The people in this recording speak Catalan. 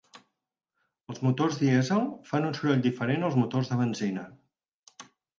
Els motors dièsel fan un soroll diferent als motors de benzina.